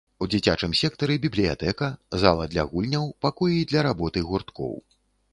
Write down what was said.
У дзіцячым сектары бібліятэка, зала для гульняў, пакоі для работы гурткоў.